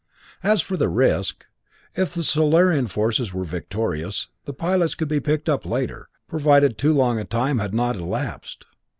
As for the risk, if the Solarian forces were victorious, the pilots could be picked up later, provided too long a time had not elapsed!